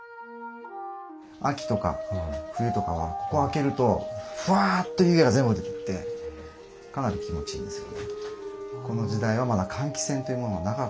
秋とか冬とかはここ開けるとふわっと湯気が全部出てってかなり気持ちいいですよ。